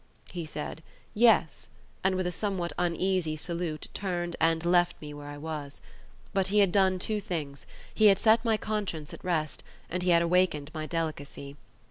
He said "yes," and with a somewhat uneasy salute turned and left me where I was. But he had done two things: he had set my conscience at rest, and he had awakened my delicacy.